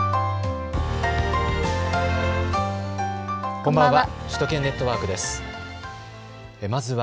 こんばんは。